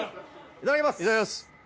いただきます。